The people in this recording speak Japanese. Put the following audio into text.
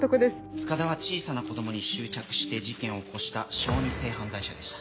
塚田は小さな子供に執着して事件を起こした小児性犯罪者でした。